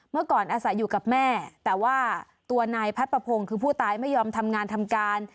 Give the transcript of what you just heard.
เมื่อก่อนอาศัยอยู่กับแม่แต่ว่าตัวนายพัดประพงศ์คือผู้ตายไม่ยอมทำงานทำการ